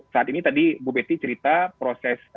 saat ini tadi bu betty cerita proses